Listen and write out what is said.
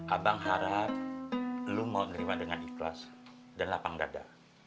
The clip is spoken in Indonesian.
abang harap lu mau menerima dengan ikhlas dan lapang dada